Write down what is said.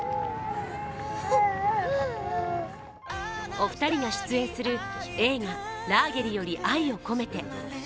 お二人が出演する映画「ラーゲリより愛を込めて」。